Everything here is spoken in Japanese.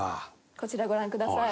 こちらご覧ください。